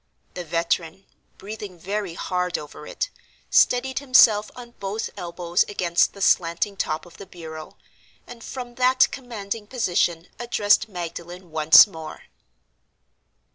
The veteran (breathing very hard over it) steadied himself on both elbows against the slanting top of the bureau, and from that commanding position addressed Magdalen once more.